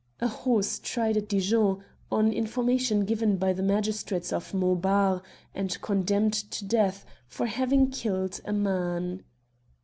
A horse tried at Dijon, on information given by the magistrates of Montbar, and condemned to death, for having killed a man.